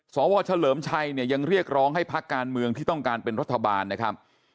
สวเฉลิมชัยเนี่ยยังเรียกร้องให้พักการเมืองที่ต้องการเป็นรัฐบาลนะครับ